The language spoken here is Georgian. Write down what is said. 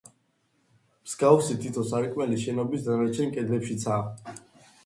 მსგავსი თითო სარკმელი შენობის დანარჩენ კედლებშიცაა.